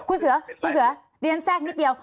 คุณเสือเรียนแทรกนิดเดียว